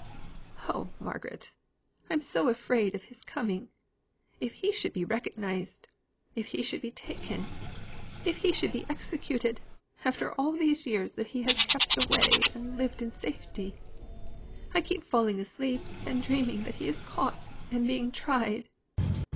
"Oh, Margaret, I'm so afraid of his coming! If he should be recognized! If he should be taken! If he should be executed, after all these years that he has kept away and lived in safety! I keep falling asleep and dreaming that he is caught and being tried."